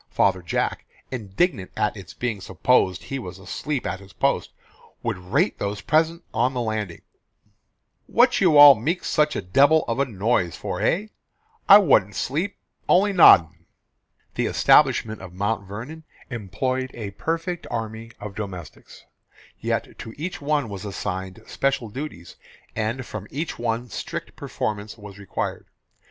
Father Jack, indignant at its being supposed he was asleep at his post, would rate those present on his landing, "What you all meek such a debil of a noise for, hey? I wa'nt sleep, only noddin'." The establishment of Mount Vernon employed a perfect army of domestics; yet to each one was assigned special duties, and from each one strict performance was required.